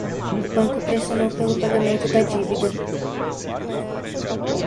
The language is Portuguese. O banco pressionou pelo pagamento da dívida.